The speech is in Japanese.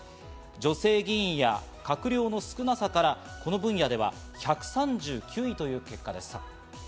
女性議員や閣僚の少なさから、この分野では１３９位という結果です。